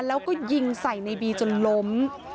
แล้วก็ยิงใส่ในบีจนล้ม